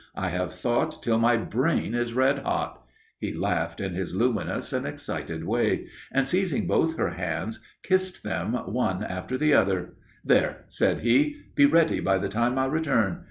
I have thought till my brain is red hot." He laughed in his luminous and excited way, and, seizing both her hands, kissed them one after the other. "There!" said he, "be ready by the time I return.